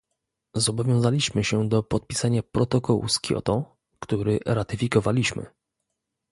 Zobowiązaliśmy się do podpisania protokołu z Kioto, który ratyfikowaliśmy